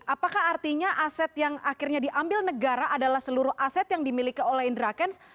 apakah artinya aset yang akhirnya diambil negara adalah seluruh aset yang dimiliki oleh indra kents